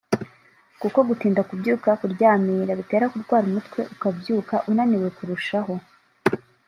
kuko gutinda kubyuka (kuryamira) bitera kurwara umutwe ukabyuka unaniwe kurushaho